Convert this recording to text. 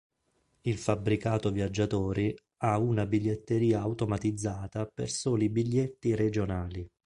Il fabbricato viaggiatori ha una biglietteria automatizzata per soli biglietti regionali.